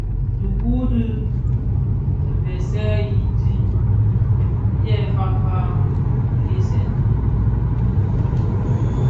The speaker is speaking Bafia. Dhiku di dhibèsèn din dyè faafa nghiesèn bi.